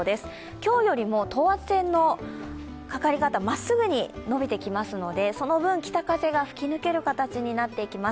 今日よりも等圧線のかかり方、まっすぐに伸びてきますので、その分、北風が吹き抜ける形になっています。